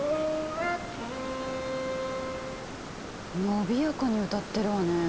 伸びやかに歌ってるわね。